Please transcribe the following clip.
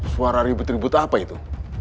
suara ribut ribut apa itu